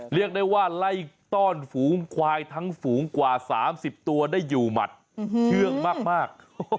เรียกได้ว่าไล่ต้อนฝูงควายทั้งฝูงกว่า๓๐ตัวได้อยู่หมัดเชื่องมาก